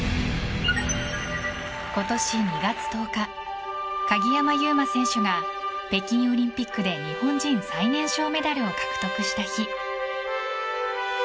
今年２月１０日鍵山優真選手が北京オリンピックで日本人最年少メダルを獲得した日。